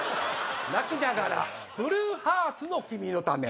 「泣きながらブルーハーツの『君のため』」。